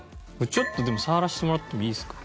ちょっと触らせてもらってもいいですか？